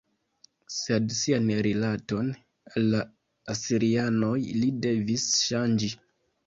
Sed sian rilaton al la asirianoj li devis ŝanĝi.